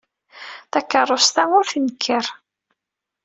Takeṛṛust-a ur tnekker.